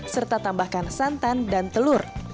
serta tambahkan santan dan telur